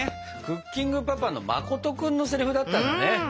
「クッキングパパ」のまこと君のセリフだったんだね。